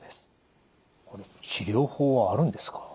治療法はあるんですか？